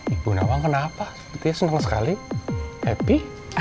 ibu nawang kenapa sepertinya senang sekali happy